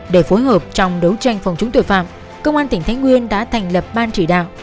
để phối hợp trong đấu tranh phòng chống tội phạm công an tỉnh thái nguyên đã thành lập ban chỉ đạo